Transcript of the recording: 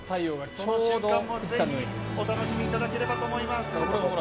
その瞬間をお楽しみいただければと思います。